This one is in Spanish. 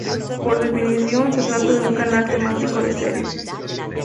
Por definición, se trata de un canal temático de series.